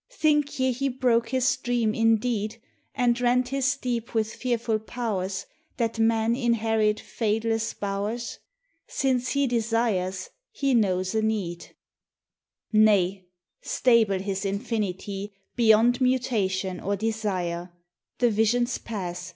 Think ye He broke His dream indeed, And rent His deep with fearful Pow'rs, That Man inherit fadeless bow'rs? Since He desires, He knows a need. 62 THE TESTIMONY OF THE SUNS. Nay! stable His Infinity, Beyond mutation or desire. The visions pass.